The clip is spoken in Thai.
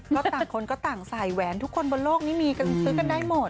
ก็ต่างคนก็ต่างใส่แหวนทุกคนบนโลกนี้มีซื้อกันได้หมด